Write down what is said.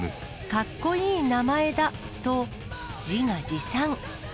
かっこいい名前だと、自画自賛。